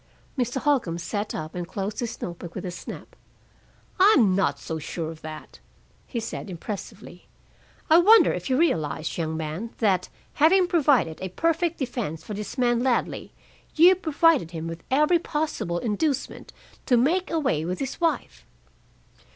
Mr. Holcombe sat up and closed his note book with a snap. "I'm not so sure of that," he said impressively. "I wonder if you realize, young man, that, having provided a perfect defense for this man Ladley, you provided him with every possible inducement to make away with his wife?